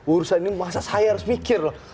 urusan ini masa saya harus mikir loh